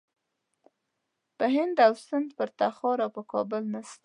په هند و سند و پر تخار او پر کابل نسته.